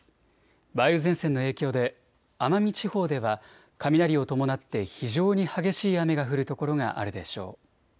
梅雨前線の影響で奄美地方では雷を伴って非常に激しい雨が降る所があるでしょう。